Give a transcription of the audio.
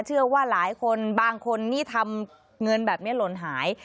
เชื่อว่าหลายคนบางคนนี่ทำเงินแบบนี้หล่นหาย